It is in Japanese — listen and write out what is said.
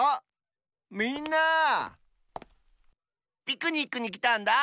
ピクニックにきたんだ。